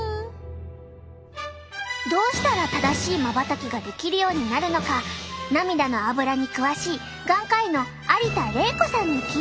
どうしたら正しいまばたきができるようになるのか涙のアブラに詳しい眼科医の有田玲子さんに聞いてみよう！